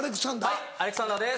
はいアレクサンダーです。